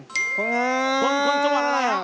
คนจังหวัดอะไรฮะ